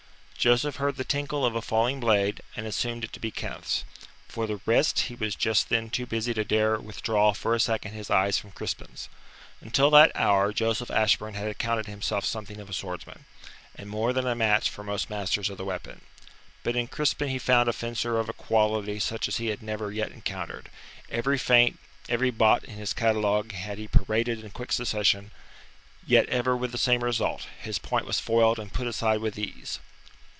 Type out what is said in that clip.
Joseph heard the tinkle of a falling blade, and assumed it to be Kenneth's. For the rest he was just then too busy to dare withdraw for a second his eyes from Crispin's. Until that hour Joseph Ashburn had accounted himself something of a swordsman, and more than a match for most masters of the weapon. But in Crispin he found a fencer of a quality such as he had never yet encountered. Every feint, every botte in his catalogue had he paraded in quick succession, yet ever with the same result his point was foiled and put aside with ease.